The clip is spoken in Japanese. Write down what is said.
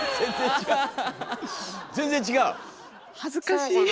恥ずかしい。